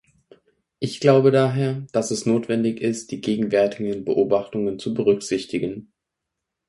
Ich glaube daher, dass es notwendig ist, die gegenwärtigen Beobachtungen zu berücksichtigen.